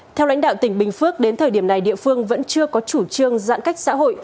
theo lãnh đạo tỉnh bình phước đến thời điểm này địa phương vẫn chưa có chủ trương giãn cách xã hội